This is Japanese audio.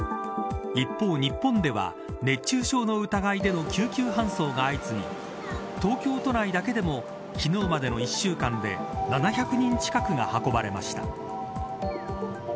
一方、日本では熱中症の疑いの緊急搬送が相次ぎ東京都内だけでも昨日までの１週間で７００人近くが運ばれました。